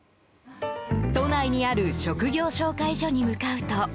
都内にある職業紹介所に向かうと。